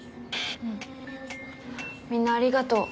うんみんなありがとう。